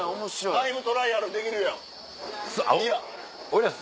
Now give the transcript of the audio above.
タイムトライアルできるやん。